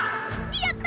やった！！